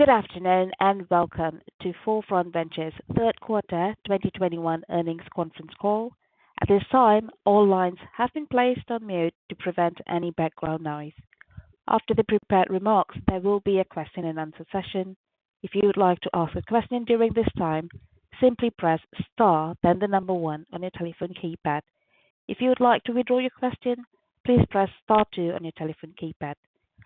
Good afternoon, and welcome to 4Front Ventures Q3 2021 earnings conference call. At this time, all lines have been placed on mute to prevent any background noise. After the prepared remarks, there will be a question-and-answer session. If you would like to ask a question during this time, simply press star then the number one on your telephone keypad. If you would like to withdraw your question, please press star two on your telephone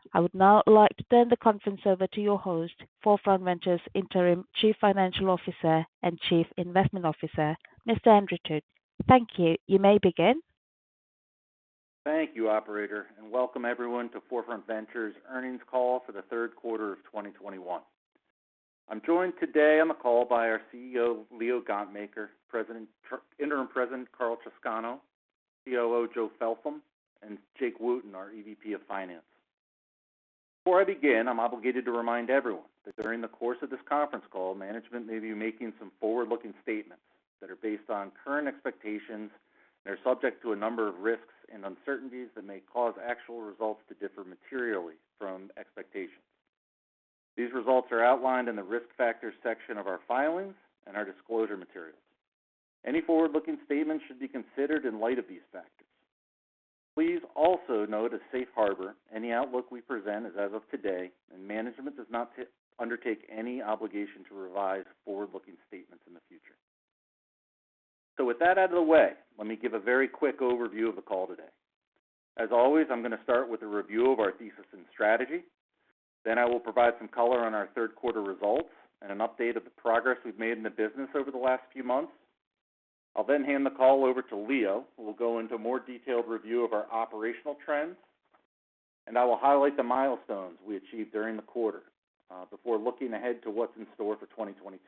keypad. I would now like to turn the conference over to your host, 4Front Ventures Interim Chief Financial Officer and Chief Investment Officer, Mr. Andrew Thut. Thank you. You may begin. Thank you, operator, and welcome everyone to 4Front Ventures earnings call for the third quarter of 2021. I'm joined today on the call by our CEO, Leo Gontmakher, Interim President, Karl Chowscano, COO, Joe Feltham, and Jake Wooten, our EVP of Finance. Before I begin, I'm obligated to remind everyone that during the course of this conference call, management may be making some forward-looking statements that are based on current expectations and are subject to a number of risks and uncertainties that may cause actual results to differ materially from expectations. These results are outlined in the Risk Factors section of our filings and our disclosure materials. Any forward-looking statements should be considered in light of these factors. Please also note, as Safe Harbor, any outlook we present is as of today, and management does not undertake any obligation to revise forward-looking statements in the future. With that out of the way, let me give a very quick overview of the call today. As always, I'm going to start with a review of our thesis and strategy. Then I will provide some color on our third quarter results and an update of the progress we've made in the business over the last few months. I'll then hand the call over to Leo, who will go into a more detailed review of our operational trends, and I will highlight the milestones we achieved during the quarter, before looking ahead to what's in store for 2022.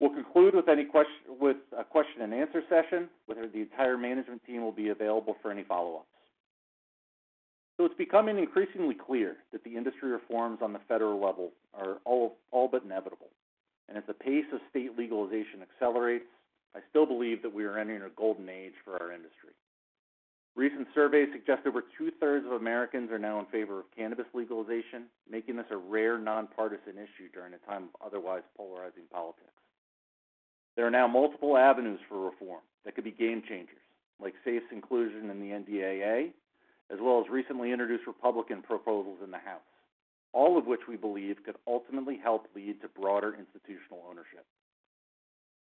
We'll conclude with a question-and-answer session, where the entire management team will be available for any follow-ups. It's becoming increasingly clear that the industry reforms on the federal level are all but inevitable. As the pace of state legalization accelerates, I still believe that we are entering a golden age for our industry. Recent surveys suggest over 2/3 of Americans are now in favor of cannabis legalization, making this a rare nonpartisan issue during a time of otherwise polarizing politics. There are now multiple avenues for reform that could be game-changers, like SAFE's inclusion in the NDAA, as well as recently introduced Republican proposals in the House, all of which we believe could ultimately help lead to broader institutional ownership.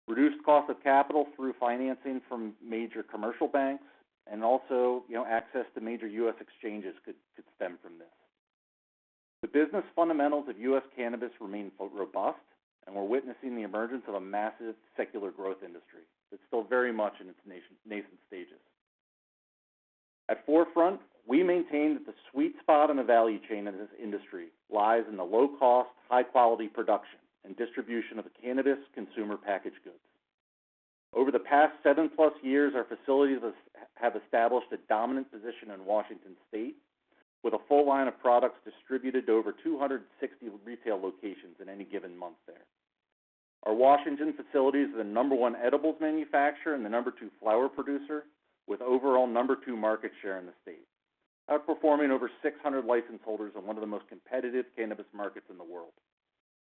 Reduced cost of capital through financing from major commercial banks and also, you know, access to major U.S. exchanges could stem from this. The business fundamentals of U.S. cannabis remain robust, and we're witnessing the emergence of a massive secular growth industry that's still very much in its nascent stages. At 4Front, we maintain that the sweet spot in the value chain in this industry lies in the low-cost, high-quality production and distribution of cannabis consumer packaged goods. Over the past 7+ years, our facilities have established a dominant position in Washington State, with a full line of products distributed to over 260 retail locations in any given month there. Our Washington facilities are the number one edibles manufacturer and the number two flower producer, with overall number two market share in the state, outperforming over 600 license holders in one of the most competitive cannabis markets in the world.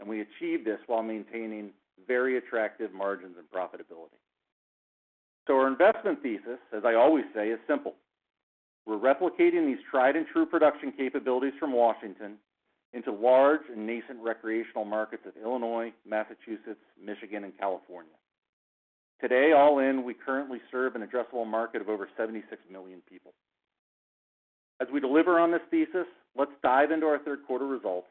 We achieve this while maintaining very attractive margins and profitability. Our investment thesis, as I always say, is simple. We're replicating these tried and true production capabilities from Washington into large and nascent recreational markets of Illinois, Massachusetts, Michigan, and California. Today, all in, we currently serve an addressable market of over 76 million people. As we deliver on this thesis, let's dive into our third quarter results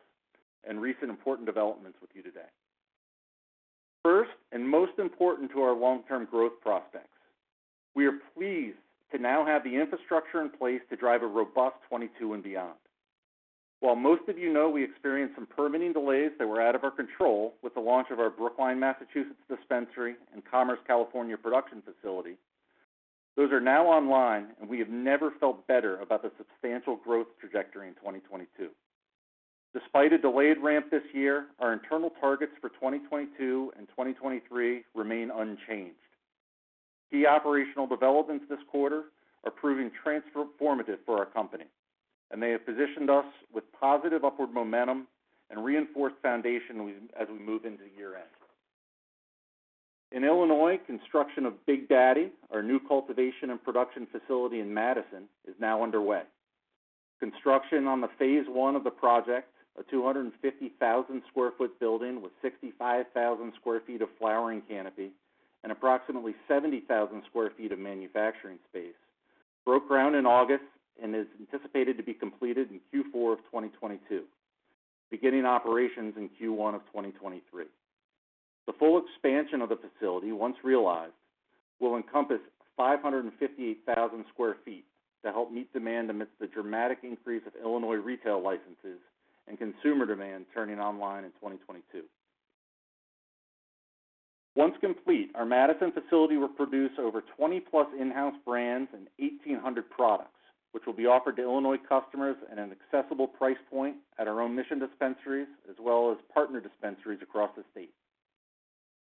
and recent important developments with you today. First, and most important to our long-term growth prospects, we are pleased to now have the infrastructure in place to drive a robust 2022 and beyond. While most of you know we experienced some permitting delays that were out of our control with the launch of our Brookline, Massachusetts dispensary and Commerce, California production facility, those are now online, and we have never felt better about the substantial growth trajectory in 2022. Despite a delayed ramp this year, our internal targets for 2022 and 2023 remain unchanged. Key operational developments this quarter are proving transformative for our company, and they have positioned us with positive upward momentum and reinforced foundation as we move into year-end. In Illinois, construction of Big Daddy, our new cultivation and production facility in Matteson, is now underway. Construction on the phase I of the project, a 250,000 sq ft building with 65,000 sq ft of flowering canopy and approximately 70,000 sq ft of manufacturing space, broke ground in August and is anticipated to be completed in Q4 of 2022, beginning operations in Q1 of 2023. The full expansion of the facility, once realized, will encompass 558,000 sq ft to help meet demand amidst the dramatic increase of Illinois retail licenses and consumer demand turning online in 2022. Once complete, our Matteson facility will produce over 20+ in-house brands and 1,800 products, which will be offered to Illinois customers at an accessible price point at our own Mission dispensaries, as well as partner dispensaries across the state.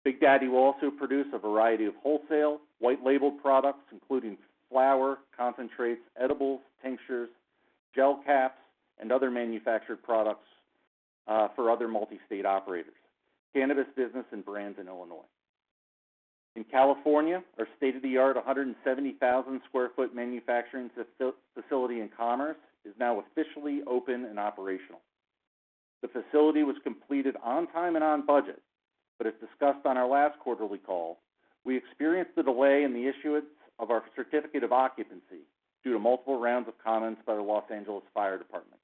Big Daddy will also produce a variety of wholesale white label products, including flower, concentrates, edibles, tinctures, gel caps, and other manufactured products for other multi-state operators, cannabis business, and brands in Illinois. In California, our state-of-the-art 170,000 sq ft manufacturing facility in Commerce is now officially open and operational. The facility was completed on time and on budget, but as discussed on our last quarterly call, we experienced a delay in the issuance of our certificate of occupancy due to multiple rounds of comments by the Los Angeles Fire Department.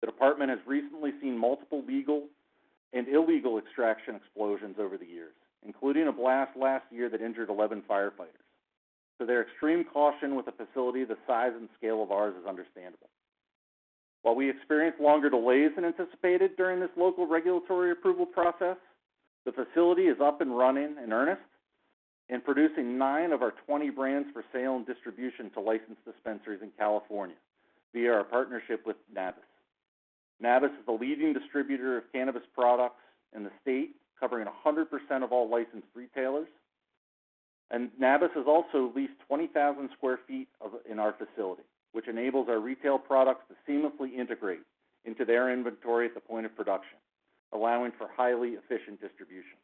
The department has recently seen multiple legal and illegal extraction explosions over the years, including a blast last year that injured 11 firefighters. Their extreme caution with a facility the size and scale of ours is understandable. While we experienced longer delays than anticipated during this local regulatory approval process, the facility is up and running in earnest and producing nine of our 20 brands for sale and distribution to licensed dispensaries in California via our partnership with Nabis. Nabis is the leading distributor of cannabis products in the state, covering 100% of all licensed retailers. Nabis has also leased 20,000 sq ft of, in our facility, which enables our retail products to seamlessly integrate into their inventory at the point of production, allowing for highly efficient distribution.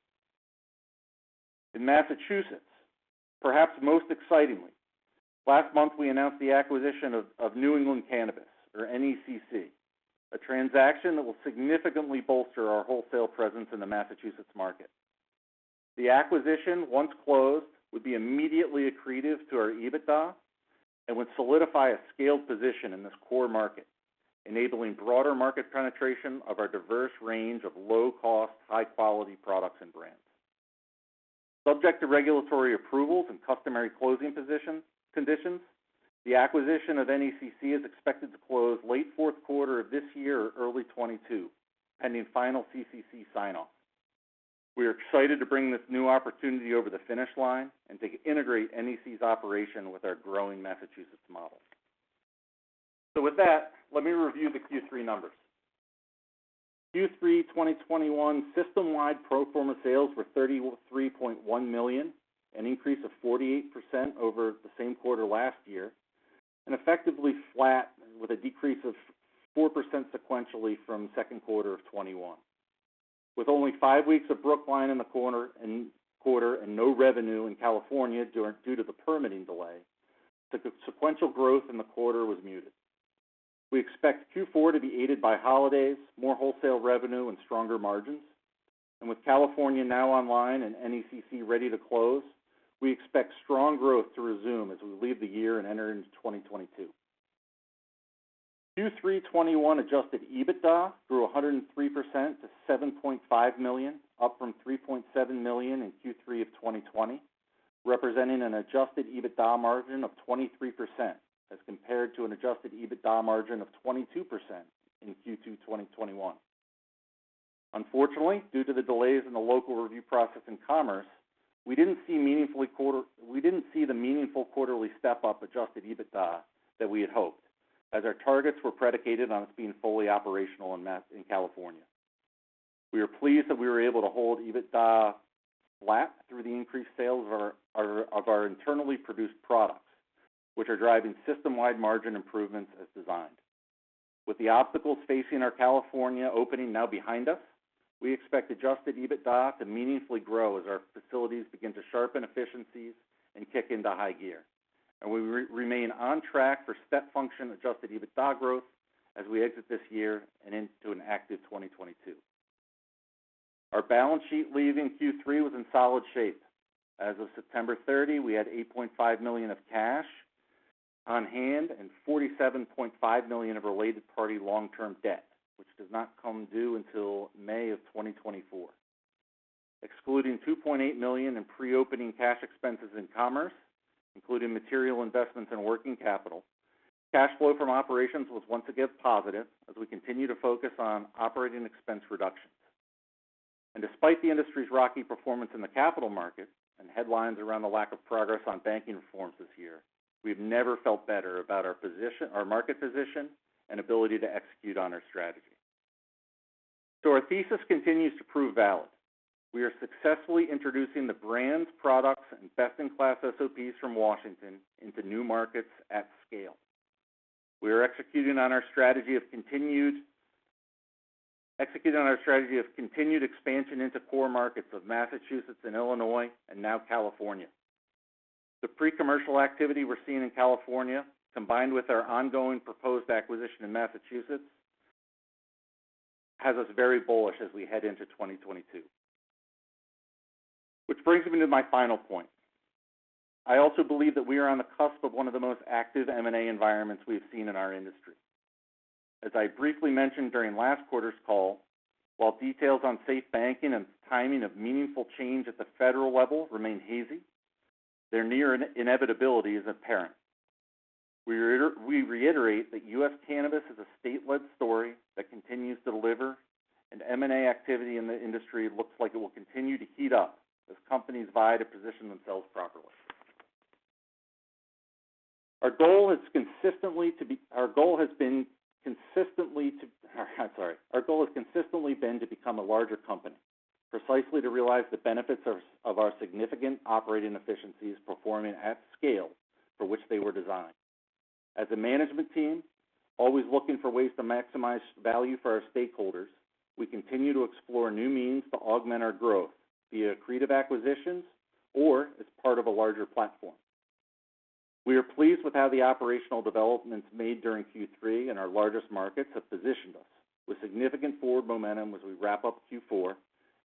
In Massachusetts, perhaps most excitingly, last month, we announced the acquisition of New England Cannabis or NECC, a transaction that will significantly bolster our wholesale presence in the Massachusetts market. The acquisition, once closed, would be immediately accretive to our EBITDA and would solidify a scaled position in this core market, enabling broader market penetration of our diverse range of low cost, high quality products and brands. Subject to regulatory approvals and customary closing positions, conditions, the acquisition of NECC is expected to close late fourth quarter of this year or early 2022, pending final CCC sign-off. We are excited to bring this new opportunity over the finish line and to integrate NECC's operation with our growing Massachusetts model. With that, let me review the Q3 numbers. Q3 2021 system-wide pro forma sales were $33.1 million, an increase of 48% over the same quarter last year, and effectively flat with a decrease of 4% sequentially from Q2 2021. With only five weeks of Brookline in the quarter and no revenue in California due to the permitting delay, the sequential growth in the quarter was muted. We expect Q4 to be aided by holidays, more wholesale revenue, and stronger margins. With California now online and NECC ready to close, we expect strong growth to resume as we leave the year and enter into 2022. Q3 2021 adjusted EBITDA grew 103% to $7.5 million, up from $3.7 million in Q3 of 2020, representing an adjusted EBITDA margin of 23% as compared to an adjusted EBITDA margin of 22% in Q2 2021. Unfortunately, due to the delays in the local review process in Commerce, we didn't see the meaningful quarterly step up in adjusted EBITDA that we had hoped, as our targets were predicated on us being fully operational in Mass, in California. We are pleased that we were able to hold EBITDA flat through the increased sales of our internally produced products, which are driving system-wide margin improvements as designed. With the obstacles facing our California opening now behind us, we expect adjusted EBITDA to meaningfully grow as our facilities begin to sharpen efficiencies and kick into high gear. We remain on track for step function adjusted EBITDA growth as we exit this year and into an active 2022. Our balance sheet leaving Q3 was in solid shape. As of September 30, we had $8.5 million of cash on hand and $47.5 million of related party long-term debt, which does not come due until May 2024. Excluding $2.8 million in pre-opening cash expenses in Commerce, including material investments and working capital, cash flow from operations was once again positive as we continue to focus on operating expense reductions. Despite the industry's rocky performance in the capital markets and headlines around the lack of progress on banking reforms this year, we've never felt better about our position, our market position and ability to execute on our strategy. Our thesis continues to prove valid. We are successfully introducing the brands, products, and best-in-class SOPs from Washington into new markets at scale. We are executing on our strategy of continued expansion into core markets of Massachusetts and Illinois, and now California. The pre-commercial activity we're seeing in California, combined with our ongoing proposed acquisition in Massachusetts, has us very bullish as we head into 2022. Which brings me to my final point. I also believe that we are on the cusp of one of the most active M&A environments we have seen in our industry. As I briefly mentioned during last quarter's call, while details on safe banking and timing of meaningful change at the federal level remain hazy, their near inevitability is apparent. We reiterate that U.S. cannabis is a state-led story that continues to deliver, and M&A activity in the industry looks like it will continue to heat up as companies vie to position themselves properly. Our goal has consistently been to become a larger company, precisely to realize the benefits of our significant operating efficiencies performing at scale for which they were designed. As a management team, always looking for ways to maximize value for our stakeholders, we continue to explore new means to augment our growth via accretive acquisitions or as part of a larger platform. We are pleased with how the operational developments made during Q3 in our largest markets have positioned us with significant forward momentum as we wrap up Q4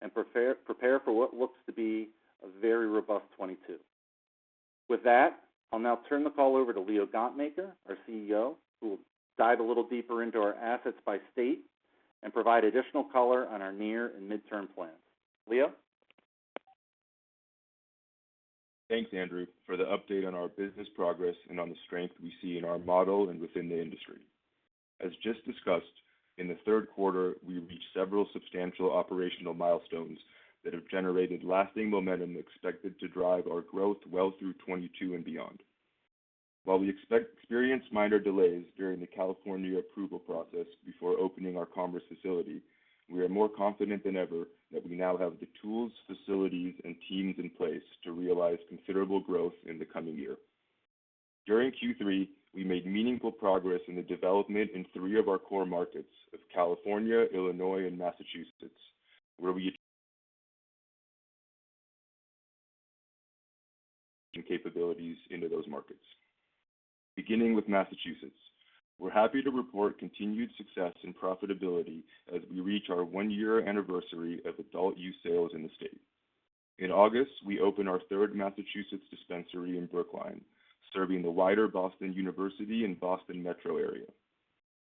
and prepare for what looks to be a very robust 2022. With that, I'll now turn the call over to Leo Gontmakher, our CEO, who will dive a little deeper into our assets by state and provide additional color on our near and midterm plans. Leo. Thanks, Andrew, for the update on our business progress and on the strength we see in our model and within the industry. As just discussed, in the third quarter, we reached several substantial operational milestones that have generated lasting momentum expected to drive our growth well through 2022 and beyond. While we expect to experience minor delays during the California approval process before opening our Commerce facility, we are more confident than ever that we now have the tools, facilities, and teams in place to realize considerable growth in the coming year. During Q3, we made meaningful progress in the development of three of our core markets of California, Illinois, and Massachusetts, where we have capabilities in those markets. Beginning with Massachusetts, we're happy to report continued success and profitability as we reach our one-year anniversary of adult-use sales in the state. In August, we opened our third Massachusetts dispensary in Brookline, serving the wider Boston University and Boston Metro area.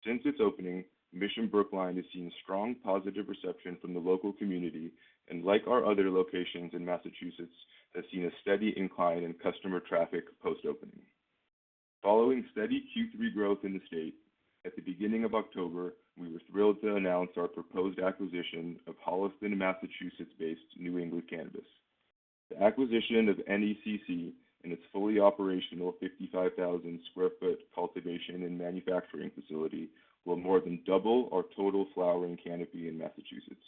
Since its opening, Mission Brookline has seen strong positive reception from the local community, and like our other locations in Massachusetts, has seen a steady incline in customer traffic post-opening. Following steady Q3 growth in the state, at the beginning of October, we were thrilled to announce our proposed acquisition of Holliston, Massachusetts-based New England Cannabis. The acquisition of NECC and its fully operational 55,000 sq ft cultivation and manufacturing facility will more than double our total flowering canopy in Massachusetts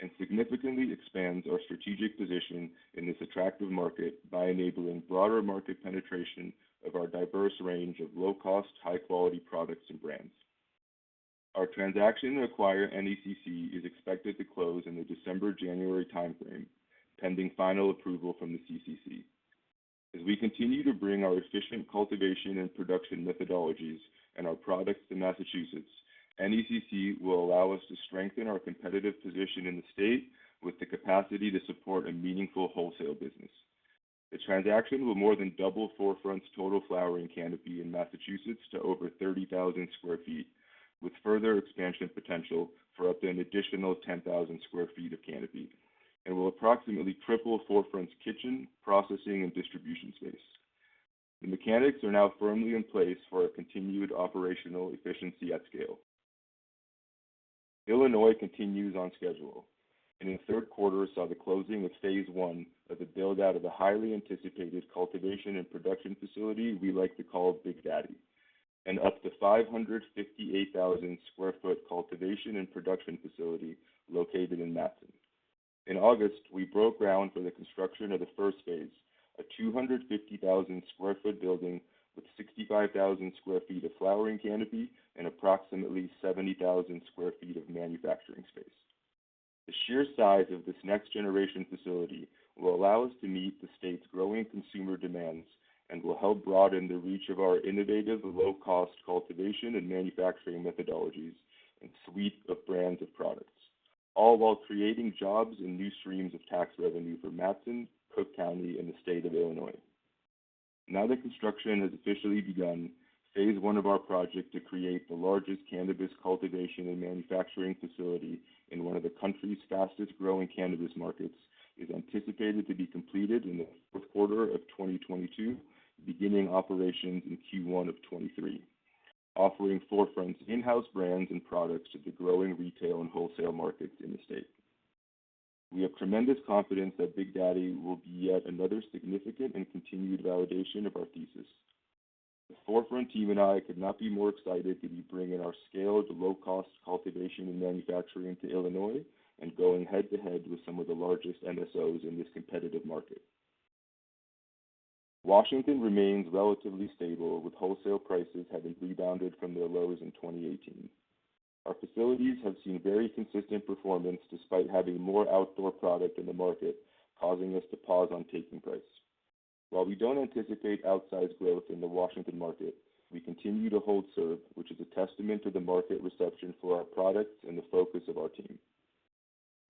and significantly expands our strategic position in this attractive market by enabling broader market penetration of our diverse range of low-cost, high-quality products and brands. Our transaction to acquire NECC is expected to close in the December-January timeframe, pending final approval from the CCC. As we continue to bring our efficient cultivation and production methodologies and our products to Massachusetts, NECC will allow us to strengthen our competitive position in the state with the capacity to support a meaningful wholesale business. The transaction will more than double 4Front's total flowering canopy in Massachusetts to over 30,000 sq ft, with further expansion potential for up to an additional 10,000 sq ft of canopy, and will approximately triple 4Front's kitchen, processing, and distribution space. The mechanics are now firmly in place for a continued operational efficiency at scale. Illinois continues on schedule, and in the third quarter, saw the closing of phase I of the build-out of the highly anticipated cultivation and production facility we like to call Big Daddy, an up to 558,000 sq ft cultivation and production facility located in Matteson. In August, we broke ground for the construction of the first phase, a 250,000 sq ft building with 65,000 sq ft of flowering canopy and approximately 70,000 sq ft of manufacturing space. The sheer size of this next-generation facility will allow us to meet the state's growing consumer demands and will help broaden the reach of our innovative, low-cost cultivation and manufacturing methodologies and suite of brands of products, all while creating jobs and new streams of tax revenue for Matteson, Cook County, in the state of Illinois. Now that construction has officially begun, phase I of our project to create the largest cannabis cultivation and manufacturing facility in one of the country's fastest-growing cannabis markets is anticipated to be completed in the fourth quarter of 2022, beginning operations in Q1 of 2023, offering 4Front's in-house brands and products to the growing retail and wholesale markets in the state. We have tremendous confidence that Big Daddy will be yet another significant and continued validation of our thesis. The 4Front team and I could not be more excited to be bringing our scaled, low-cost cultivation and manufacturing to Illinois and going head-to-head with some of the largest MSOs in this competitive market. Washington remains relatively stable, with wholesale prices having rebounded from their lows in 2018. Our facilities have seen very consistent performance despite having more outdoor product in the market, causing us to pause on taking price. While we don't anticipate outsized growth in the Washington market, we continue to hold serve, which is a testament to the market reception for our products and the focus of our team.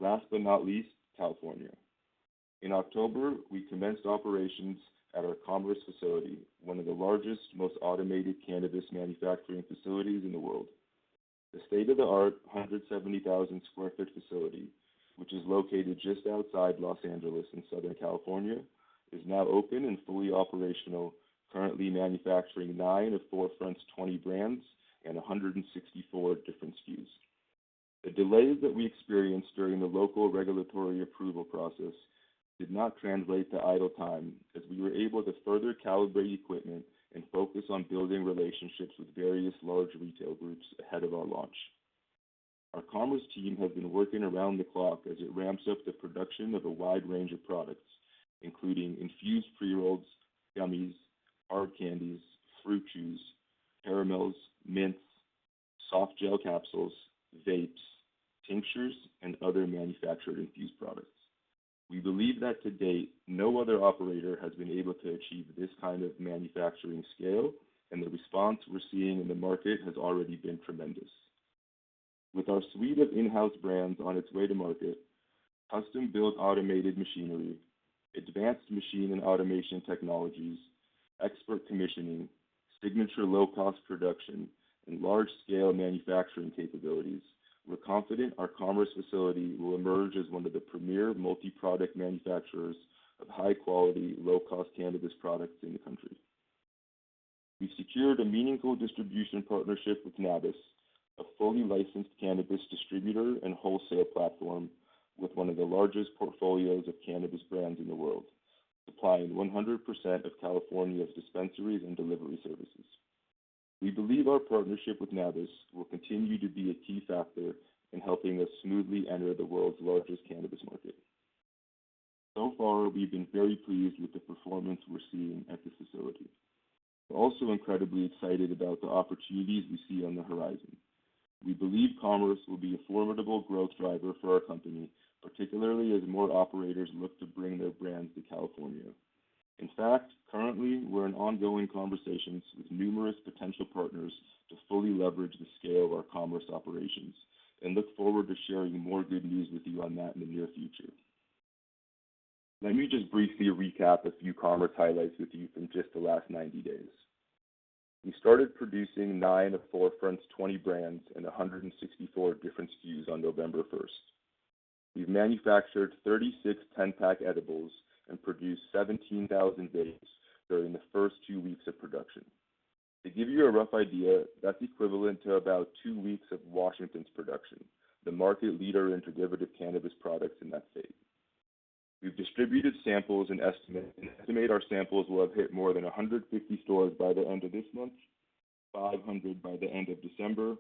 Last but not least, California. In October, we commenced operations at our Commerce facility, one of the largest, most automated cannabis manufacturing facilities in the world. The state-of-the-art 170,000 sq ft facility, which is located just outside Los Angeles in Southern California, is now open and fully operational, currently manufacturing nine of 4Front's 20 brands and 164 different SKUs. The delays that we experienced during the local regulatory approval process did not translate to idle time as we were able to further calibrate equipment and focus on building relationships with various large retail groups ahead of our launch. Our Commerce team has been working around the clock as it ramps up the production of a wide range of products, including infused pre-rolls, gummies, hard candies, fruit chews, caramels, mints, softgel capsules, vapes, tinctures, and other manufactured infused products. We believe that to date, no other operator has been able to achieve this kind of manufacturing scale, and the response we're seeing in the market has already been tremendous. With our suite of in-house brands on its way to market, custom-built automated machinery, advanced machine and automation technologies, expert commissioning, signature low-cost production, and large-scale manufacturing capabilities, we're confident our Commerce facility will emerge as one of the premier multi-product manufacturers of high-quality, low-cost cannabis products in the country. We've secured a meaningful distribution partnership with Nabis, a fully licensed cannabis distributor and wholesale platform with one of the largest portfolios of cannabis brands in the world, supplying 100% of California's dispensaries and delivery services. We believe our partnership with Nabis will continue to be a key factor in helping us smoothly enter the world's largest cannabis market. So far, we've been very pleased with the performance we're seeing at this facility. We're also incredibly excited about the opportunities we see on the horizon. We believe Commerce will be a formidable growth driver for our company, particularly as more operators look to bring their brands to California. In fact, currently, we're in ongoing conversations with numerous potential partners to fully leverage the scale of our Commerce operations and look forward to sharing more good news with you on that in the near future. Let me just briefly recap a few Commerce highlights with you from just the last 90 days. We started producing nine of 4Front's 20 brands and 164 different SKUs on November 1st. We've manufactured 36 10-pack edibles and produced 17,000 vapes during the first two weeks of production. To give you a rough idea, that's equivalent to about two weeks of Washington's production, the market leader in derivative cannabis products in that state. We've distributed samples and estimate our samples will have hit more than 150 stores by the end of this month, 500 by the end of December,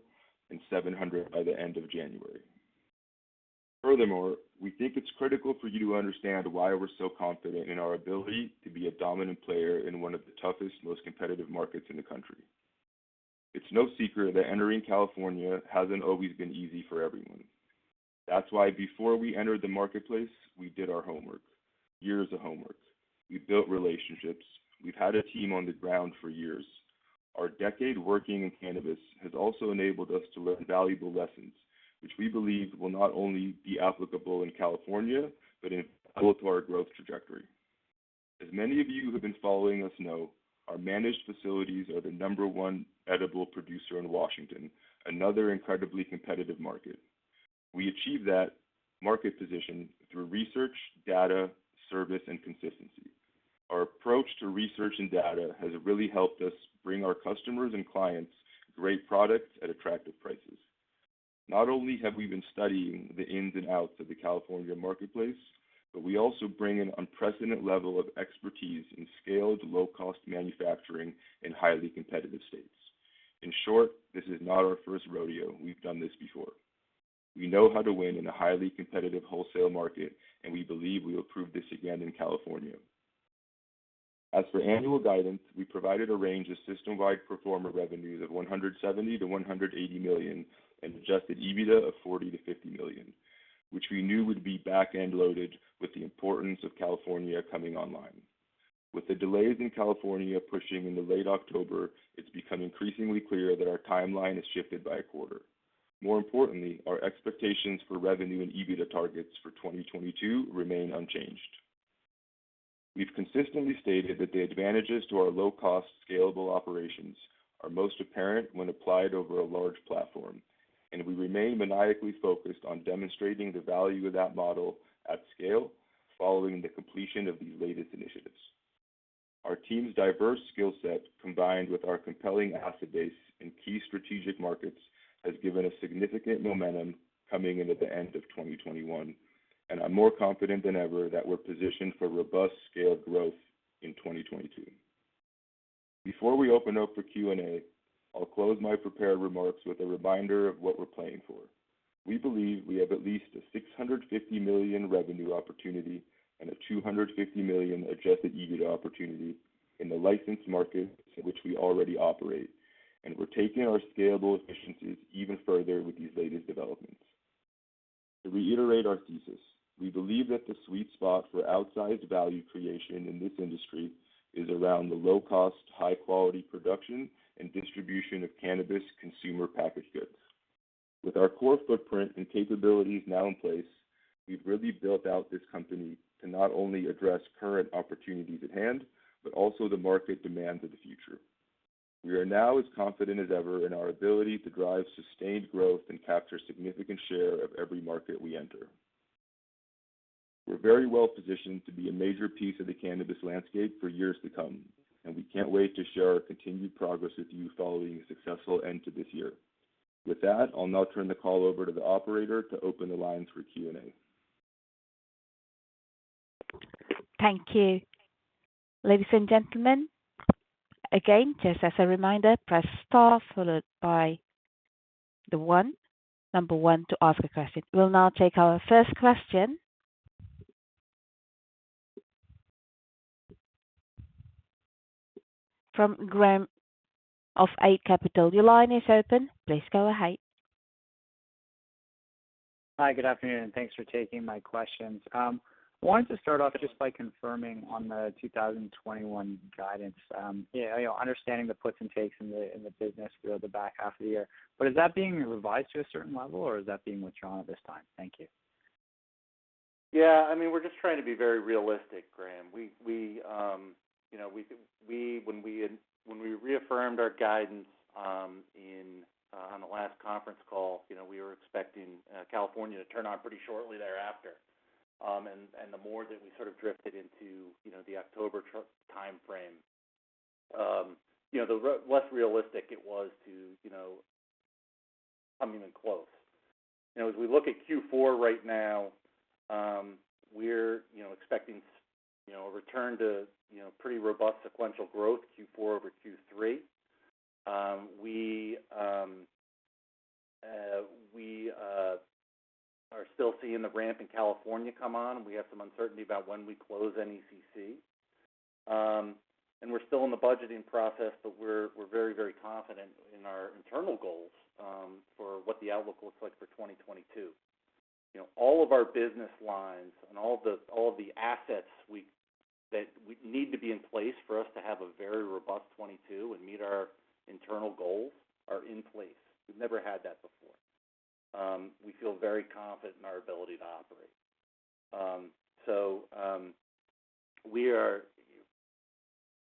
and 700 by the end of January. Furthermore, we think it's critical for you to understand why we're so confident in our ability to be a dominant player in one of the toughest, most competitive markets in the country. It's no secret that entering California hasn't always been easy for everyone. That's why before we entered the marketplace, we did our homework. Years of homework. We've built relationships. We've had a team on the ground for years. Our decade working in cannabis has also enabled us to learn valuable lessons, which we believe will not only be applicable in California but in both our growth trajectory. As many of you who have been following us know, our managed facilities are the number-one edible producer in Washington, another incredibly competitive market. We achieved that market position through research, data, service, and consistency. Our approach to research and data has really helped us bring our customers and clients great products at attractive prices. Not only have we been studying the ins and outs of the California marketplace, but we also bring an unprecedented level of expertise in scaled, low-cost manufacturing in highly competitive states. In short, this is not our first rodeo. We've done this before. We know how to win in a highly competitive wholesale market, and we believe we will prove this again in California. As for annual guidance, we provided a range of system-wide pro forma revenues of $170 million-$180 million and adjusted EBITDA of $40 million-$50 million, which we knew would be back-end loaded with the importance of California coming online. With the delays in California pushing into late October, it's become increasingly clear that our timeline has shifted by a quarter. More importantly, our expectations for revenue and EBITDA targets for 2022 remain unchanged. We've consistently stated that the advantages to our low-cost, scalable operations are most apparent when applied over a large platform, and we remain maniacally focused on demonstrating the value of that model at scale following the completion of these latest initiatives. Our team's diverse skill set, combined with our compelling asset base in key strategic markets, has given us significant momentum coming into the end of 2021, and I'm more confident than ever that we're positioned for robust scaled growth in 2022. Before we open up for Q&A, I'll close my prepared remarks with a reminder of what we're playing for. We believe we have at least a $650 million revenue opportunity and a $250 million adjusted EBITDA opportunity in the licensed markets in which we already operate, and we're taking our scalable efficiencies even further with these latest developments. To reiterate our thesis, we believe that the sweet spot for outsized value creation in this industry is around the low-cost, high-quality production and distribution of cannabis consumer packaged goods. With our core footprint and capabilities now in place, we've really built out this company to not only address current opportunities at hand but also the market demands of the future. We are now as confident as ever in our ability to drive sustained growth and capture significant share of every market we enter. We're very well-positioned to be a major piece of the cannabis landscape for years to come, and we can't wait to share our continued progress with you following a successful end to this year. With that, I'll now turn the call over to the operator to open the lines for Q&A. Thank you. Ladies and gentlemen, again, just as a reminder, press star followed by the one, number one to ask a question. We'll now take our first question from Graeme of Eight Capital. Your line is open. Please go ahead. Hi, good afternoon, and thanks for taking my questions. I wanted to start off just by confirming on the 2021 guidance, you know, understanding the puts and takes in the business throughout the back half of the year. Is that being revised to a certain level, or is that being withdrawn at this time? Thank you. Yeah. I mean, we're just trying to be very realistic, Graeme. We, when we reaffirmed our guidance, in on the last conference call, you know, we were expecting California to turn on pretty shortly thereafter. The more that we sort of drifted into, you know, the October timeframe, you know, the less realistic it was to, you know, come even close. You know, as we look at Q4 right now, we're, you know, expecting a return to, you know, pretty robust sequential growth, Q4 over Q3. We are still seeing the ramp in California come on. We have some uncertainty about when we close NECC. We're still in the budgeting process, but we're very confident in our internal goals for what the outlook looks like for 2022. You know, all of our business lines and all the assets that we need to be in place for us to have a very robust 2022 and meet our internal goals are in place. We've never had that before. We feel very confident in our ability to operate. We are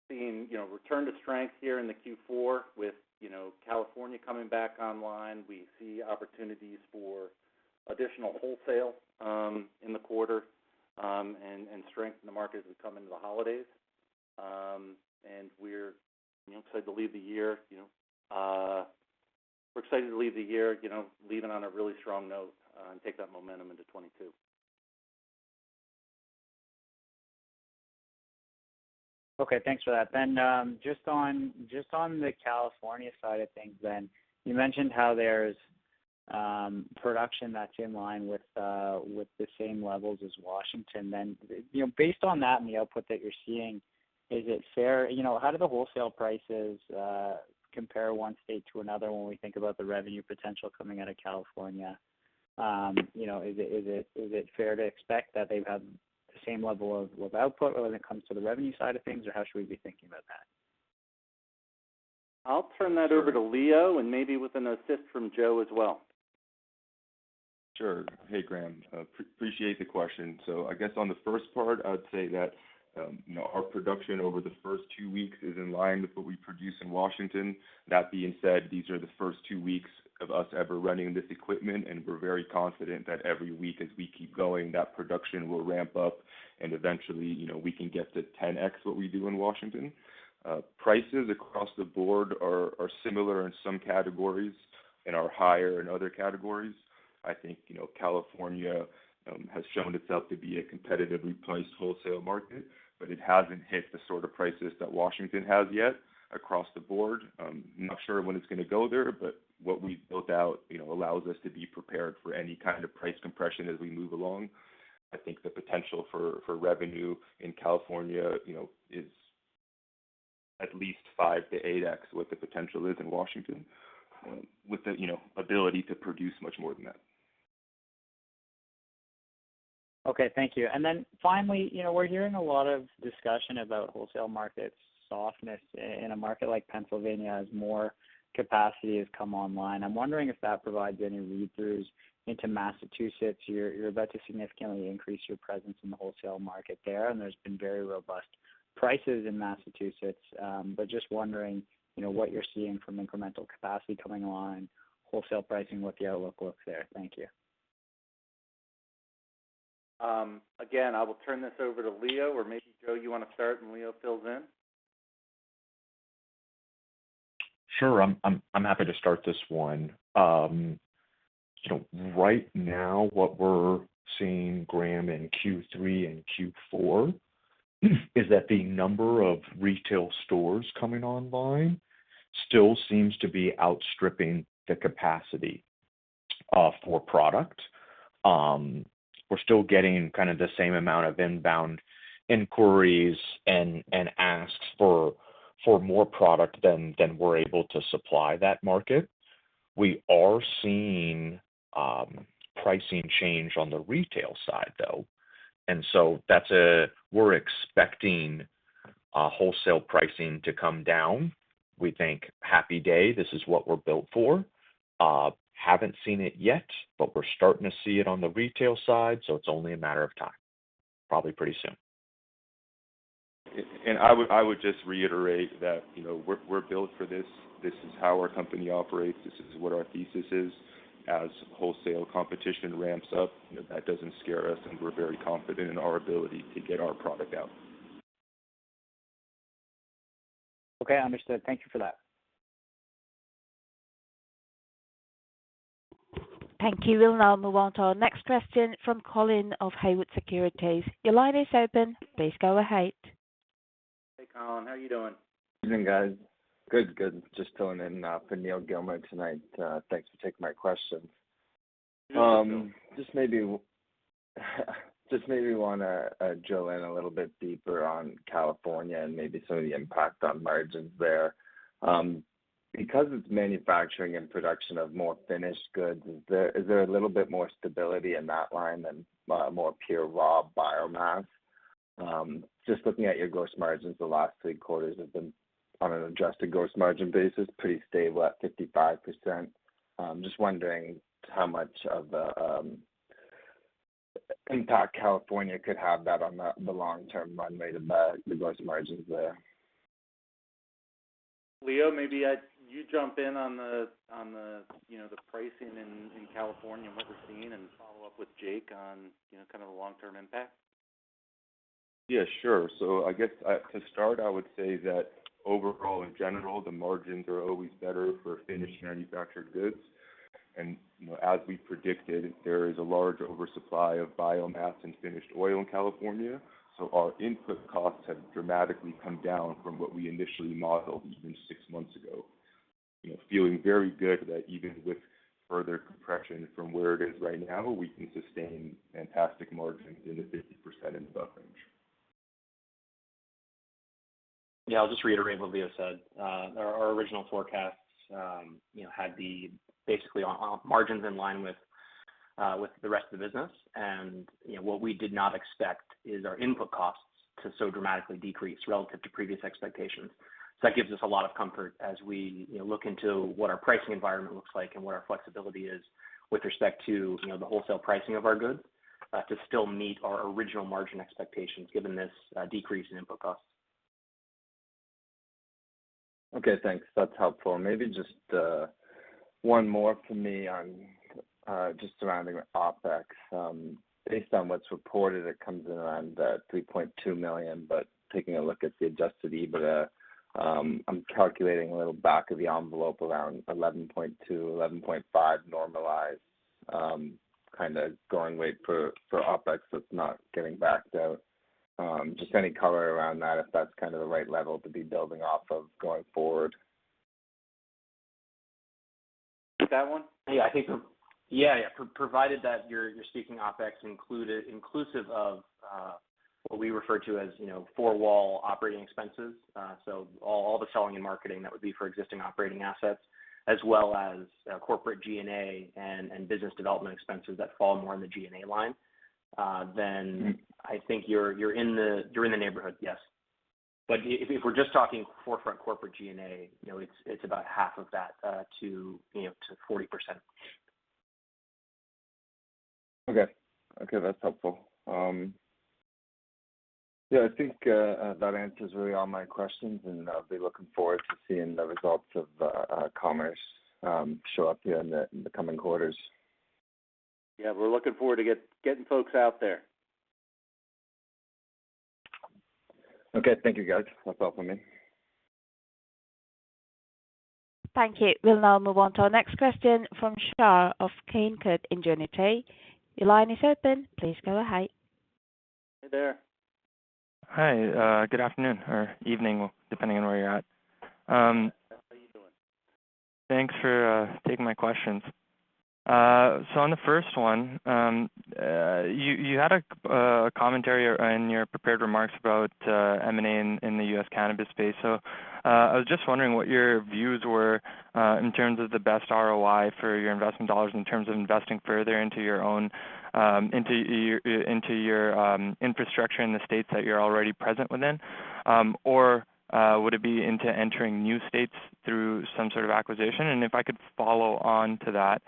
seeing, you know, return to strength here in the Q4 with, you know, California coming back online. We see opportunities for additional wholesale in the quarter and strength in the market as we come into the holidays. We're, you know, excited to leave the year. You know, we're excited to leave the year, you know, leaving on a really strong note, and take that momentum into 2022. Okay. Thanks for that. Just on the California side of things, you mentioned how there's production that's in line with the same levels as Washington. You know, based on that and the output that you're seeing, is it fair? You know, how do the wholesale prices compare one state to another when we think about the revenue potential coming out of California? You know, is it fair to expect that they've had the same level of output when it comes to the revenue side of things, or how should we be thinking about that? I'll turn that over to Leo and maybe with an assist from Joe as well. Sure. Hey, Graeme. Appreciate the question. I guess on the first part, I would say that, you know, our production over the first two weeks is in line with what we produce in Washington. That being said, these are the first two weeks of us ever running this equipment, and we're very confident that every week as we keep going, that production will ramp up, and eventually, you know, we can get to 10x what we do in Washington. Prices across the board are similar in some categories and are higher in other categories. I think, you know, California has shown itself to be a competitively priced wholesale market, but it hasn't hit the sort of prices that Washington has yet across the board. Not sure when it's gonna go there, but what we've built out, you know, allows us to be prepared for any kind of price compression as we move along. I think the potential for revenue in California, you know, is at least 5x-8x what the potential is in Washington, with the you know, ability to produce much more than that. Okay. Thank you. Finally, you know, we're hearing a lot of discussion about wholesale market softness in a market like Pennsylvania as more capacity has come online. I'm wondering if that provides any read-throughs into Massachusetts. You're about to significantly increase your presence in the wholesale market there, and there's been very robust prices in Massachusetts. Just wondering, you know, what you're seeing from incremental capacity coming online, wholesale pricing, what the outlook looks there. Thank you. Again, I will turn this over to Leo, or maybe Joe. You wanna start and Leo fills in. Sure. I'm happy to start this one. You know, right now what we're seeing, Graeme, in Q3 and Q4 is that the number of retail stores coming online still seems to be outstripping the capacity for product. We're still getting kind of the same amount of inbound inquiries and asks for more product than we're able to supply that market. We are seeing pricing change on the retail side, though. We're expecting wholesale pricing to come down. We think, happy day, this is what we're built for. Haven't seen it yet, but we're starting to see it on the retail side, so it's only a matter of time. Probably pretty soon. I would just reiterate that, you know, we're built for this. This is how our company operates. This is what our thesis is. As wholesale competition ramps up, you know, that doesn't scare us, and we're very confident in our ability to get our product out. Okay, understood. Thank you for that. Thank you. We'll now move on to our next question from Colin of Haywood Securities. Your line is open. Please go ahead. Hey, Colin, how are you doing? Evening, guys. Good, good. Just filling in for Neal Gilmer tonight. Thanks for taking my questions. Just maybe wanna drill in a little bit deeper on California and maybe some of the impact on margins there. Because it's manufacturing and production of more finished goods, is there a little bit more stability in that line than more pure raw biomass? Just looking at your gross margins the last three quarters have been, on an adjusted gross margin basis, pretty stable at 55%. Just wondering how much of the impact California could have that on the long-term runway to the gross margins there. Leo, you jump in on the, you know, the pricing in California and what we're seeing, and follow up with Jake on, you know, kind of the long-term impact. Yeah, sure. To start, I would say that overall, in general, the margins are always better for finished manufactured goods. You know, as we predicted, there is a large oversupply of biomass and finished oil in California. Our input costs have dramatically come down from what we initially modeled even six months ago. You know, feeling very good that even with further compression from where it is right now, we can sustain fantastic margins in the 50% and above range. Yeah, I'll just reiterate what Leo said. Our original forecasts, you know, had them basically on margins in line with the rest of the business. What we did not expect is our input costs to so dramatically decrease relative to previous expectations. That gives us a lot of comfort as we, you know, look into what our pricing environment looks like and what our flexibility is with respect to, you know, the wholesale pricing of our goods to still meet our original margin expectations given this decrease in input costs. Okay, thanks. That's helpful. Maybe just one more from me on just surrounding with OpEx. Based on what's reported, it comes in around $3.2 million, but taking a look at the adjusted EBITDA, I'm calculating a little back-of-the-envelope around $11.2 million-$11.5 million normalized, kinda going rate for OpEx that's not getting backed out. Just any color around that if that's kind of the right level to be building off of going forward. Take that one? I think provided that you're seeking OpEx inclusive of what we refer to as, you know, four-wall operating expenses. All the selling and marketing that would be for existing operating assets, as well as corporate G&A and business development expenses that fall more in the G&A line. Then Mm-hmm. I think you're in the neighborhood, yes. But if we're just talking 4Front corporate G&A, you know, it's about half of that, to you know to 40%. Okay. Okay, that's helpful. Yeah, I think that answers really all my questions, and I'll be looking forward to seeing the results of Commerce show up here in the coming quarters. Yeah, we're looking forward to getting folks out there. Okay, thank you, guys. That's all for me. Thank you. We'll now move on to our next question from Shaan of Canaccord Genuity. Your line is open. Please go ahead. Hey there. Hi. Good afternoon or evening, depending on where you're at. How are you doing? Thanks for taking my questions. On the first one, you had a commentary in your prepared remarks about M&A in the U.S. cannabis space. I was just wondering what your views were in terms of the best ROI for your investment dollars in terms of investing further into your own infrastructure in the states that you're already present within. Would it be into entering new states through some sort of acquisition? If I could follow on to that,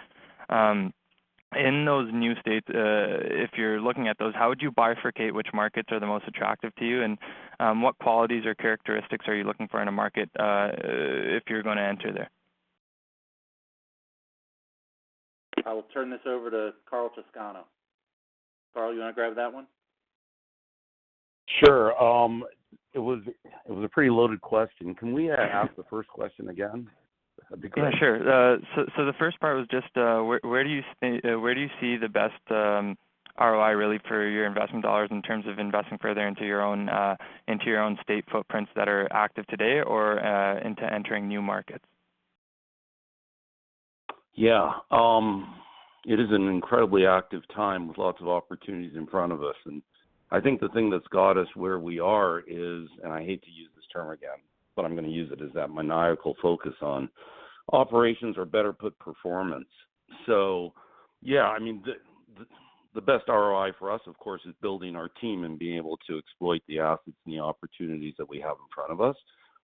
in those new states, if you're looking at those, how would you bifurcate which markets are the most attractive to you? What qualities or characteristics are you looking for in a market if you're gonna enter there? I will turn this over to Karl Chowscano. Karl, you wanna grab that one? Sure. It was a pretty loaded question. Can we have the first question again? That'd be great. Yeah, sure. So the first part was just where do you see the best ROI really for your investment dollars in terms of investing further into your own state footprints that are active today or into entering new markets? Yeah. It is an incredibly active time with lots of opportunities in front of us. I think the thing that's got us where we are is, and I hate to use this term again, but I'm gonna use it, is that maniacal focus on operations or better put performance. Yeah, I mean, the best ROI for us, of course, is building our team and being able to exploit the assets and the opportunities that we have in front of us.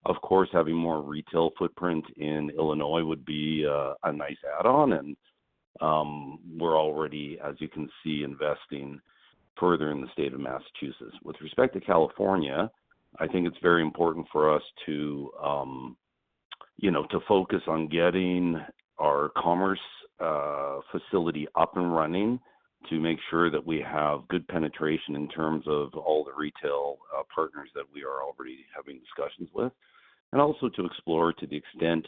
Of course, having more retail footprint in Illinois would be a nice add-on, and We're already, as you can see, investing further in the state of Massachusetts. With respect to California, I think it's very important for us to, you know, to focus on getting our Commerce facility up and running to make sure that we have good penetration in terms of all the retail partners that we are already having discussions with. Also to explore, to the extent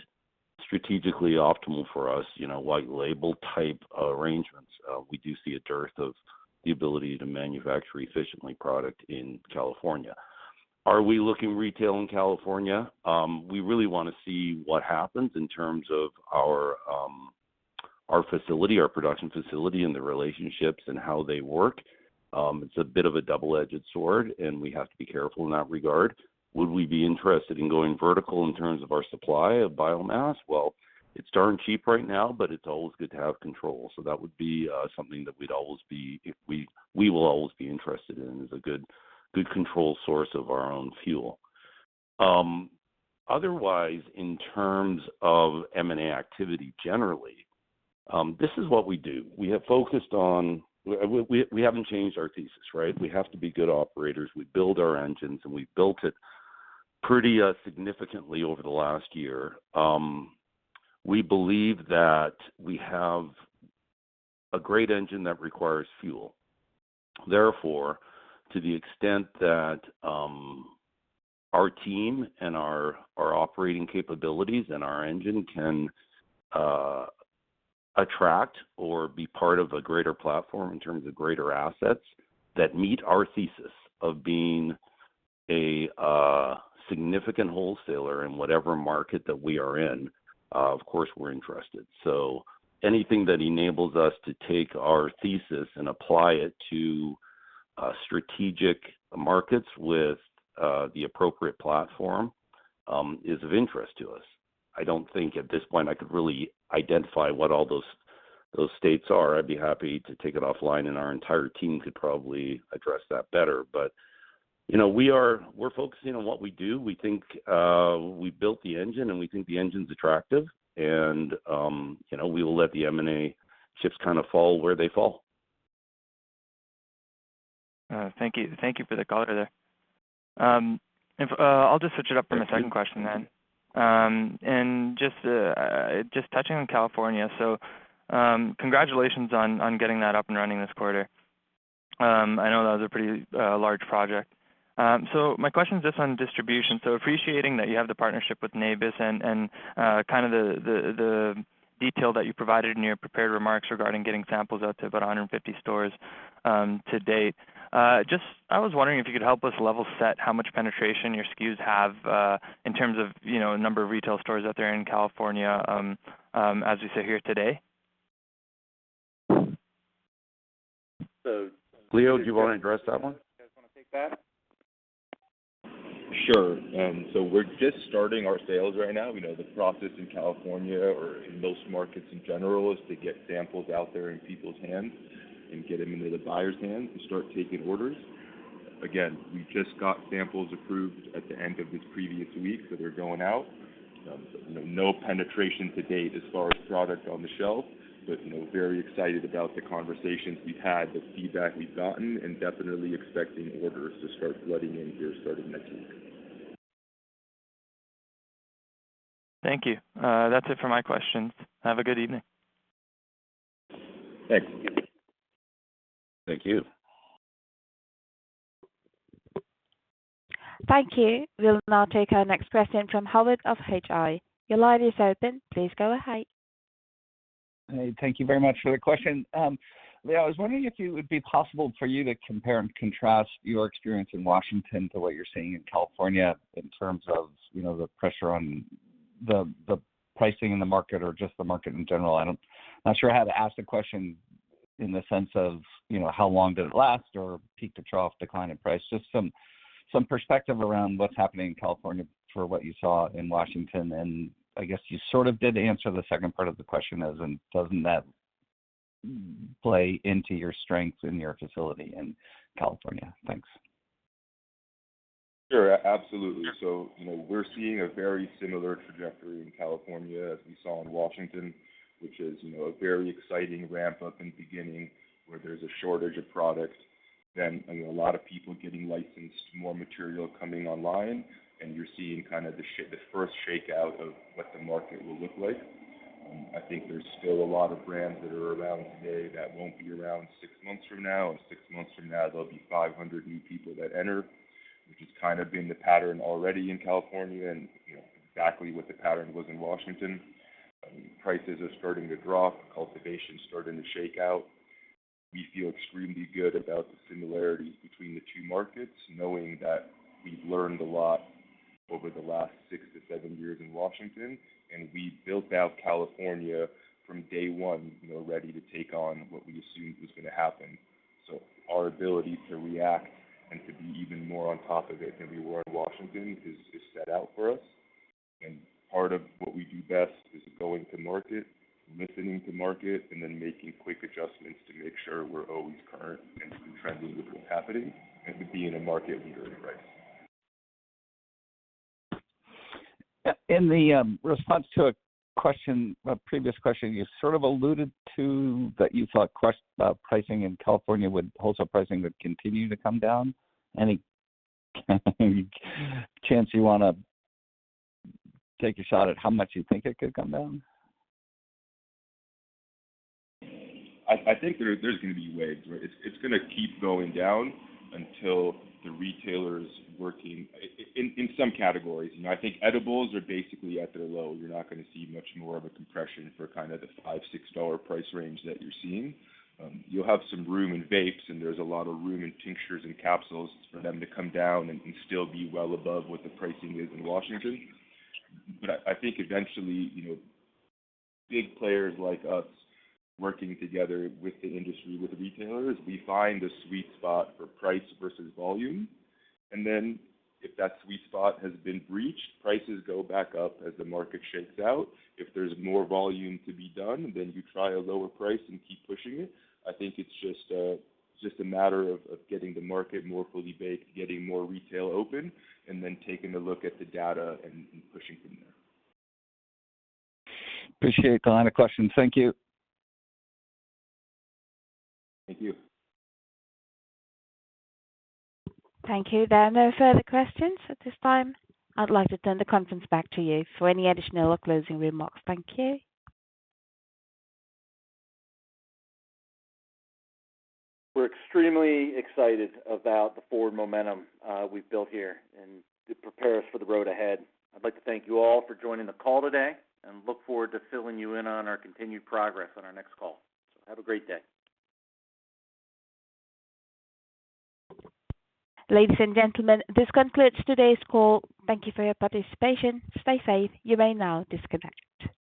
strategically optimal for us, you know, white label type arrangements. We do see a dearth of the ability to manufacture efficiently product in California. Are we looking retail in California? We really wanna see what happens in terms of our facility, our production facility, and the relationships and how they work. It's a bit of a double-edged sword, and we have to be careful in that regard. Would we be interested in going vertical in terms of our supply of biomass? Well, it's darn cheap right now, but it's always good to have control. That would be something that we'd always be interested in, as a good control source of our own fuel. Otherwise, in terms of M&A activity, generally, this is what we do. We haven't changed our thesis, right? We have to be good operators. We build our engines, and we've built it pretty significantly over the last year. We believe that we have a great engine that requires fuel. Therefore, to the extent that our team and our operating capabilities and our engine can attract or be part of a greater platform in terms of greater assets that meet our thesis of being a significant wholesaler in whatever market that we are in, of course, we're interested. Anything that enables us to take our thesis and apply it to strategic markets with the appropriate platform is of interest to us. I don't think at this point I could really identify what all those states are. I'd be happy to take it offline, and our entire team could probably address that better. You know, we're focusing on what we do. We think we built the engine, and we think the engine's attractive and, you know, we will let the M&A chips kind of fall where they fall. Thank you. Thank you for the color there. If I'll just switch it up to a second question then. Just touching on California. Congratulations on getting that up and running this quarter. I know that was a pretty large project. So my question is just on distribution. Appreciating that you have the partnership with Nabis and kind of the detail that you provided in your prepared remarks regarding getting samples out to about 150 stores to date. Just I was wondering if you could help us level set how much penetration your SKUs have in terms of, you know, number of retail stores out there in California as we sit here today. Leo, do you wanna address that one? You guys wanna take that? Sure. We're just starting our sales right now. We know the process in California or in most markets in general is to get samples out there in people's hands and get them into the buyer's hands and start taking orders. Again, we just got samples approved at the end of this previous week, so they're going out. You know, no penetration to date as far as product on the shelf, but, you know, very excited about the conversations we've had, the feedback we've gotten, and definitely expecting orders to start flooding in here starting next week. Thank you. That's it for my questions. Have a good evening. Thanks. Thank you. Thank you. We'll now take our next question from Howard of Hedgeye. Your line is open. Please go ahead. Hey, thank you very much for the question. Leo, I was wondering if it would be possible for you to compare and contrast your experience in Washington to what you're seeing in California in terms of, you know, the pressure on the pricing in the market or just the market in general. I'm not sure how to ask the question in the sense of, you know, how long did it last or peak to trough decline in price. Just some perspective around what's happening in California for what you saw in Washington. I guess you sort of did answer the second part of the question as in, doesn't that play into your strength in your facility in California? Thanks. Sure. Absolutely. You know, we're seeing a very similar trajectory in California as we saw in Washington, which is, you know, a very exciting ramp-up in the beginning, where there's a shortage of product. Then, you know, a lot of people getting licensed, more material coming online, and you're seeing kind of the first shakeout of what the market will look like. I think there's still a lot of brands that are around today that won't be around six months from now. Six months from now, there'll be 500 new people that enter, which has kind of been the pattern already in California and, you know, exactly what the pattern was in Washington. Prices are starting to drop. Cultivation is starting to shake out. We feel extremely good about the similarities between the two markets, knowing that we've learned a lot over the last 6-7 years in Washington, and we built out California from day one, you know, ready to take on what we assumed was gonna happen. Our ability to react and to be even more on top of it than we were in Washington is set out for us. Part of what we do best is going to market, listening to market, and then making quick adjustments to make sure we're always current and trending with what's happening and to be a market leader in price. In the response to a previous question, you sort of alluded to that you thought wholesale pricing in California would continue to come down. Any chance you wanna take a shot at how much you think it could come down? I think there's gonna be waves, right? It's gonna keep going down until the retailers working in some categories. You know, I think edibles are basically at their low. You're not gonna see much more of a compression for kinda the $5-$6 price range that you're seeing. You'll have some room in vapes, and there's a lot of room in tinctures and capsules for them to come down and still be well above what the pricing is in Washington. I think eventually, you know, big players like us working together with the industry, with retailers, we find a sweet spot for price versus volume. Then if that sweet spot has been breached, prices go back up as the market shakes out. If there's more volume to be done, then you try a lower price and keep pushing it. I think it's just a matter of getting the market more fully baked, getting more retail open, and then taking a look at the data and pushing from there. Appreciate [taking the] question. Thank you. Thank you. Thank you. There are no further questions at this time. I'd like to turn the conference back to you for any additional or closing remarks. Thank you. We're extremely excited about the forward momentum we've built here and to prepare us for the road ahead. I'd like to thank you all for joining the call today and look forward to filling you in on our continued progress on our next call. Have a great day. Ladies and gentlemen, this concludes today's call. Thank you for your participation. Stay safe. You may now disconnect.